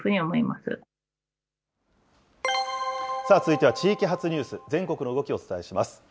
さあ、続いては地域発ニュース、全国の動きをお伝えします。